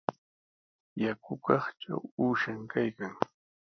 Yakukaqtraw uushan kaykan.